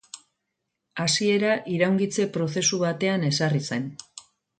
Hasiera iraungitze prozesu batean ezarri zen.